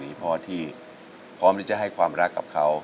มีพ่อที่พร้อมที่จะให้ความรักกับเขา